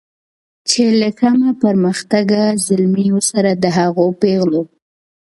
چې له کم پرمختګه زلمیو سره د هغو پیغلو